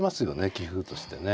棋風としてね。